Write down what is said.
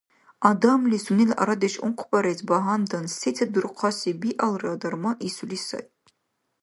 Адамли сунела арадеш ункъбарес багьандан, сецад дурхъаси биалра дарман исули сай.